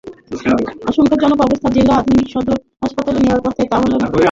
আশঙ্কাজনক অবস্থায় জেলা আধুনিক সদর হাসপাতালে নেওয়ার পথে তাহের মারা যান।